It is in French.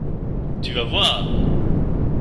Tu vas voir !